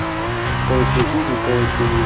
quand il fait jour ou quand il fait nuit.